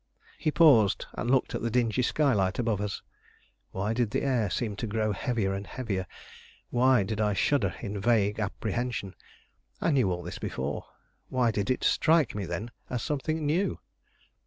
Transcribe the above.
He paused and looked at the dingy skylight above us. Why did the air seem to grow heavier and heavier? Why did I shudder in vague apprehension? I knew all this before; why did it strike me, then, as something new?